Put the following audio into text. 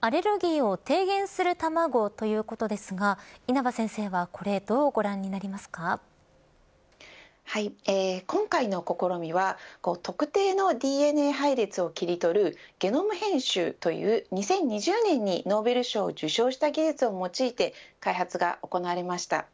アレルギーを軽減する卵ということですが稲葉先生はこれ今回の試みは特定のＤＮＡ配列を切り取るゲノム編集という２０２０年にノーベル賞を受賞した技術を用いて開発が行われました。